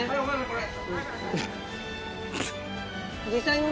これ。